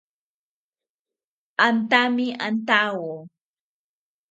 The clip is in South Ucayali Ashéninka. Antami antawo